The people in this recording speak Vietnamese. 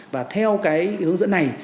và theo cái hướng dẫn này